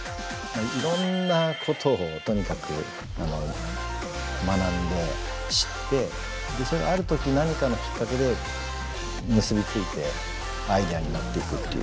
いろんなことをとにかく学んで知ってそれがある時何かのきっかけで結び付いてアイデアになっていくっていう。